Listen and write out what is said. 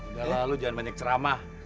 udah lalu jangan banyak ceramah